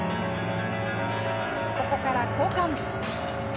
ここから交換。